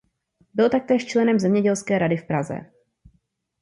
Byl taktéž členem Zemědělské rady v Praze.